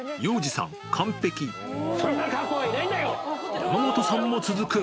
山本さんも続く。